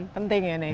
penting ya nih